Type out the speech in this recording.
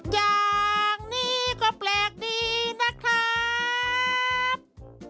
อย่างนี้ก็แปลกดีนะครับ